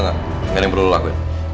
nggak ada yang perlu lo lakuin